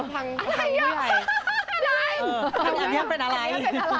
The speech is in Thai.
ทำสัญญาเป็นอะไร